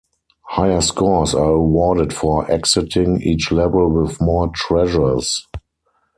Higher scores are awarded for exiting each level with more treasures.